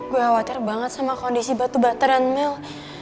gue khawatir banget sama kondisi batu bateran mel